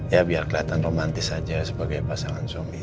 ya biar kelihatan romantis aja sebagai pasangan suami ya